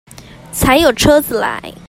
才有車子來